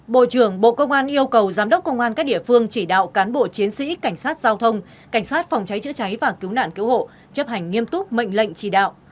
bộ trưởng bộ công an yêu cầu giám đốc công an các địa phương chỉ đạo cán bộ chiến sĩ cảnh sát giao thông cảnh sát phòng cháy chữa cháy và cứu nạn cứu hộ chấp hành nghiêm túc mệnh lệnh chỉ đạo